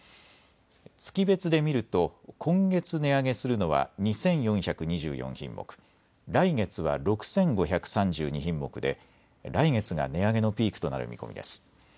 月別で見ると今月値上げするのは２４２４品目、来月は６５３２品目で来月が値上げのピークとなる見込みです。